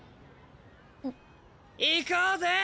行こうぜ！